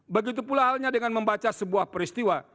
begitu pula halnya dengan membaca sebuah peristiwa